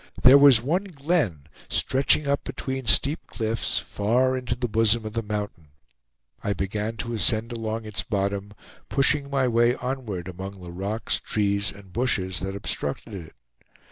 There was one glen, stretching up between steep cliffs far into the bosom of the mountain. I began to ascend along its bottom, pushing my way onward among the rocks, trees, and bushes that obstructed it.